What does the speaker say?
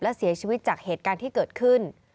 และเสียชีวิตจากเหตุการณ์ที่เกิดขึ้น